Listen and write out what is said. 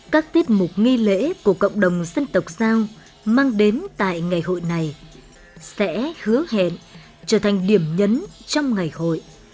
các tiết mục nghi lễ của cộng đồng dân tộc giao mang đến tại ngày hội này sẽ hứa hẹn trở thành điểm nhấn trong ngày hội